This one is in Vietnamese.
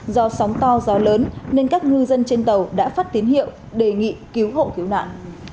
do sóng to gió lớn nên các ngư dân trên tàu đã phát tín hiệu đề nghị cứu hộ cứu nạn